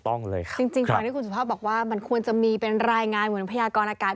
จริงตอนนี้คุณสุภาพบอกว่ามันควรจะมีเป็นรายงานเหมือนพยากรอากาศ